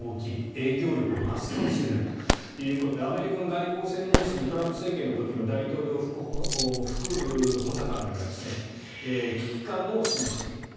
影響力を増すかもしれないということでアメリカの外交専門誌にトランプ政権の時の大統領副補佐官らが危機感を示している。